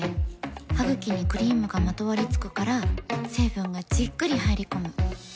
ハグキにクリームがまとわりつくから成分がじっくり入り込む。